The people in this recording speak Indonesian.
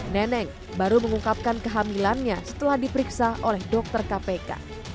neneng baru mengungkapkan kehamilannya setelah diperiksa oleh dokter kpk